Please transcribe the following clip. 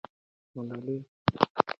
د ملالۍ په باب پوښتنه وکړه.